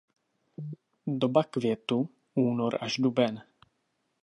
Doba květu únor až duben.